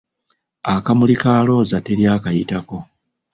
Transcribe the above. Akamuli ka Looza teri akayitako!